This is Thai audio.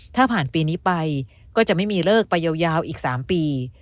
ถ้าผ่านปีนี้ไปก็จะไม่มีเลิกไปยาวอีก๓ปี